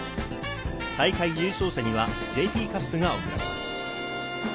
大会優勝者にはＪＴカップが贈られます。